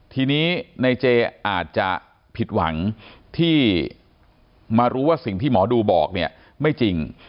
ที่มารู้ว่าสิ่งที่หมอดูบอกเนี่ยไม่จริง